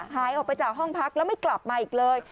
หายออกไปจากห้องพักแล้วไม่กลับมาอีกเลย